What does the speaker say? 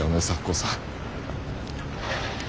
咲子さん。